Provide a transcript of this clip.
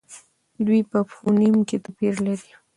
دوی په فونېم کې توپیر لري.